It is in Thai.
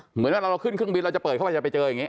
เหมือนว่าเราขึ้นเครื่องบินเราจะเปิดเข้าไปจะไปเจออย่างนี้